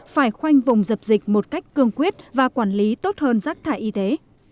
phải khoanh vùng dập dịch một cách cương quyết và quản lý tốt hơn rác thải y tế